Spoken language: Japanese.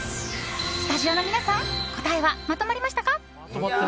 スタジオの皆さん答えはまとまりましたか？